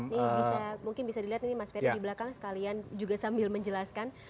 ini bisa mungkin bisa dilihat ini mas ferry di belakang sekalian juga sambil menjelaskan